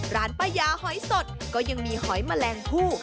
ร้านป้ายาหอยสดก็ยังมีหอยแมลงผู้